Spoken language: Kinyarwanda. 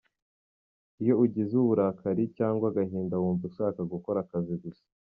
Iyo ugize uburakari ,cyangwa agahinda wumva ushaka gukora akazi gusa.